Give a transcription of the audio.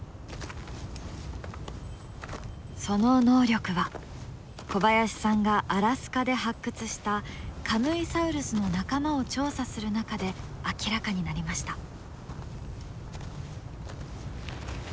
その能力は小林さんがアラスカで発掘したカムイサウルスの仲間を調査する中で明らかになりました。